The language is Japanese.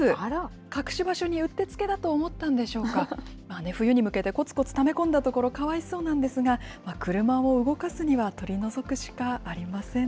隠し場所にうってつけだと思ったんでしょうか、冬に向けてこつこつため込んだところ、かわいそうなんですが、車を動かすには取り除くしかありませんね。